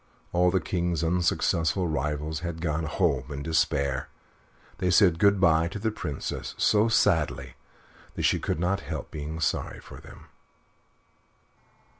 All the King's unsuccessful rivals had gone home in despair. They said good by to the Princess so sadly that she could not help being sorry for them.